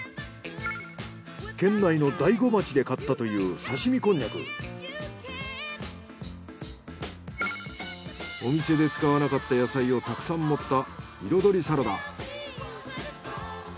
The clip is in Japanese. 県内の大子町で買ったというお店で使わなかった野菜をたくさん盛った彩りサラダ。